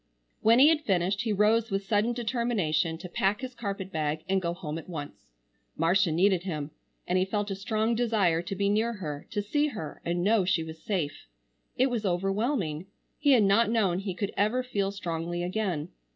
When he had finished he rose with sudden determination to pack his carpet bag and go home at once. Marcia needed him, and he felt a strong desire to be near her, to see her and know she was safe. It was overwhelming. He had not known he could ever feel strongly again.